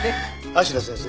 芦名先生